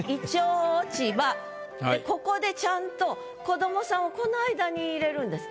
「銀杏落葉」でここでちゃんと子どもさんをこの間に入れるんです